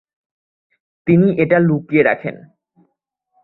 তিনি এটা লুকিয়ে রাখেন।